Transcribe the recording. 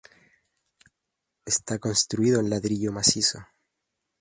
Está construido en ladrillo macizo.